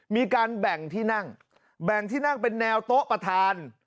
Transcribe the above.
มีการแบ่งที่นั่งแบ่งที่นั่งเป็นแนวโต๊ะประธาน